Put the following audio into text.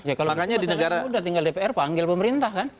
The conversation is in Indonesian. ya kalau gitu masalahnya udah tinggal dpr panggil pemerintah kan